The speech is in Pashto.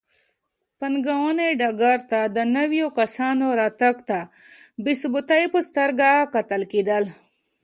پانګونې ډګر ته د نویو کسانو راتګ ته بې ثباتۍ په سترګه کتل کېدل.